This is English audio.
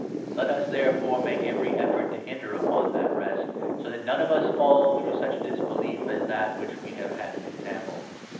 Let us, therefore, make every effort n to enter upon that Rest, so that none of us fall through such disbelief as that of which we have had an example.